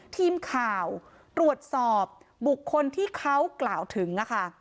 ทีมข่าวตรวจสอบบุคคลที่เขากล่าวถึงค่ะ